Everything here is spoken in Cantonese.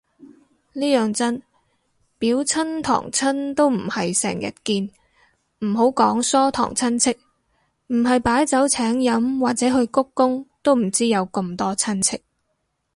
呢樣真，表親堂親都唔係成日見，唔好講疏堂親戚，唔係擺酒請飲或者去鞠躬都唔知有咁多親戚